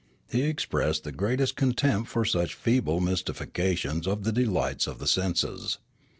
He expressed the greatest contempt for such feeble mystifications of the delights of the senses.